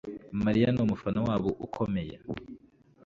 Mariya numufana wabo ukomeye